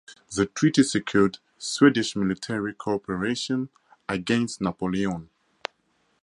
The treaty secured Swedish military cooperation against Napoleon.